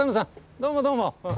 どうもどうも。